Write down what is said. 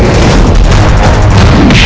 aku akan menang